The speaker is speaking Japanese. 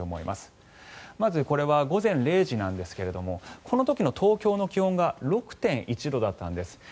まずこれは午前０時なんですがこの時の東京の気温が６．１度だったんです。